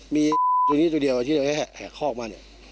มีตัวนี้ตัวเดียวที่เราแห่คอกมาเนี่ย